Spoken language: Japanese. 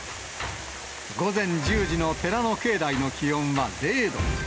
午前１０時の寺の境内の気温は０度。